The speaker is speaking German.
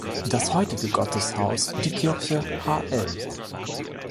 Das heutige Gotteshaus, die Kirche "Hl.